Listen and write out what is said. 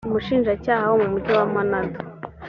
umushinjacyaha wo mu mugi wa manado